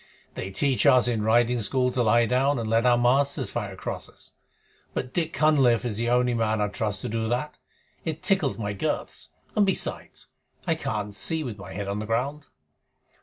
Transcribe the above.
"They teach us in riding school to lie down and let our masters fire across us, but Dick Cunliffe is the only man I'd trust to do that. It tickles my girths, and, besides, I can't see with my head on the ground."